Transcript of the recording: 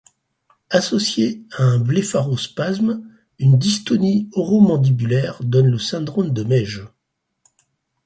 Associée à un blépharospasme, une dystonie oromandibulaire donne le syndrome de Meige.